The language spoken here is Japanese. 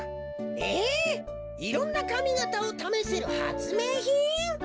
・えっいろんなかみがたをためせるはつめいひん？